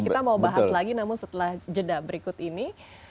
kita mau bahas lagi namun setelah jeda berikut ini